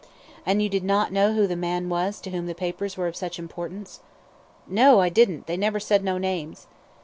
'" "And you did not know who the man was to whom the papers were of such importance?" "No, I didn't; they never said no names."